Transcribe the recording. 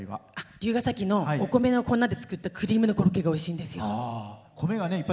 龍ケ崎のお米の粉で作ったクリームのコロッケがおいしいんです。